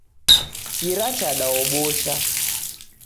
Kira chadaobusha.